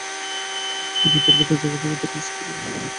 আমি আন্তরিকতার জায়গা থেকে টেসিসকে ব্যর্থতার ঘেরাটোপ থেকে বের করে আনতে চাই।